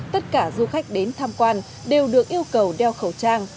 tất cả du khách đến tham quan đều được yêu cầu đeo khẩu trang